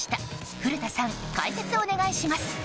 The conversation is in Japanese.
古田さん、解説お願いします。